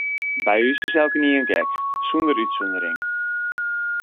By ús is elkenien gek, sûnder útsûndering.